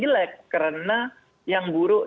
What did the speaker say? jelek karena yang buruk